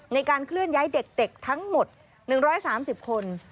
ในการเคลื่อนย้ายเด็กทั้งหมด๑๓๐คน